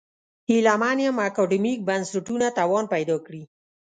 هیله من یم اکاډمیک بنسټونه توان پیدا کړي.